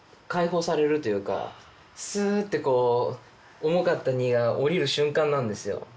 解放されるというかすってこう重かった荷が下りる瞬間なんですよ